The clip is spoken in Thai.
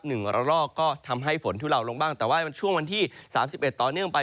หนึ่งอัลลอกก็ทำให้ฝนที่เราลงบ้างแต่ว่าช่วงวันที่๓๑ต่อเนื่องไป